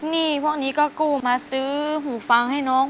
หนี้พวกนี้ก็กู้มาซื้อหูฟังให้น้อง